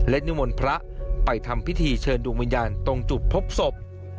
และนิมนต์พระไปทำพิธีเชิญดวงวิญญาณตรงจุดพบศพ